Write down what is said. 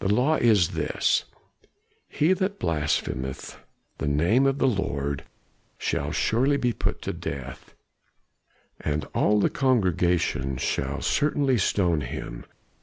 "'The law is this He that blasphemeth the name of the Lord shall surely be put to death, and all the congregation shall certainly stone him.